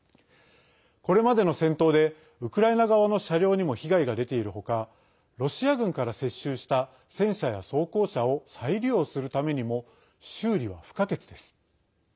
これまでの戦闘でウクライナ側の車両にも被害が出ているほかロシア軍から接収した戦車や装甲車を再利用するためにも修理は不可欠です。